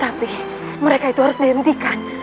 tapi mereka itu harus dihentikan